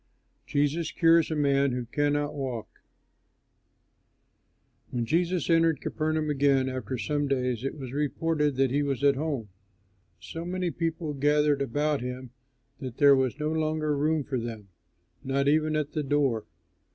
JESUS CURES A MAN WHO CANNOT WALK When Jesus entered Capernaum again, after some days, it was reported that he was at home, and so many people gathered about him that there was no longer room for them, not even at the door.